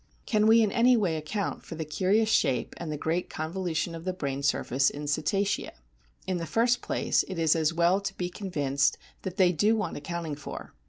Can we in any way account for the curious shape and the great convolution of the brain surface in Cetacea ? In the first place it is as well to be convinced that they do want accounting for.